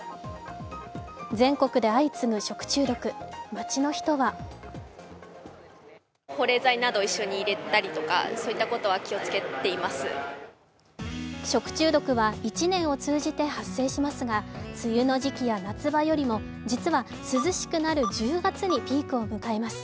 全国で相次ぐ食中毒、街の人は食中毒は１年を通じて発生しますが梅雨の時期や夏場よりも実は涼しくなる１０月にピークを迎えます。